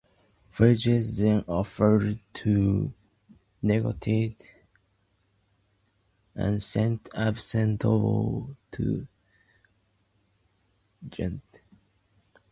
Fredegund then offered to negotiate peace and sent ambassadors to Guntram.